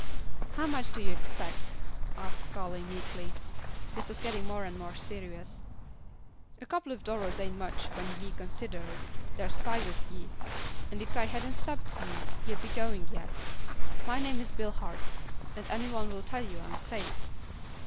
"How much do you expect?" asked Callie, meekly. This was getting more and more serious. "A couple of dollars ain't much when ye consider there's five of ye, and if I hadn't stopped ye, ye'd be goin' yet. My name's Bill Hart, and any one'll tell you I'm safe.